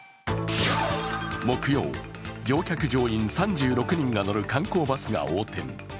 木曜、乗客・乗員３６人が乗る観光バスが横転。